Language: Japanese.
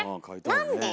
なんで？